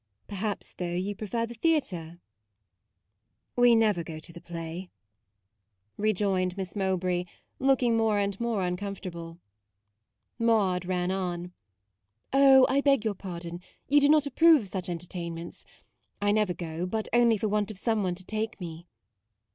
Perhaps, though, you prefer the theatre ?"" We never go to the play," re 56 MAUDE joined Miss Mowbray looking more and more uncomfortable. Maude ran on :" Oh, I beg your pardon, you do not approve of such entertainments. I never go, but only for want of some one to take me."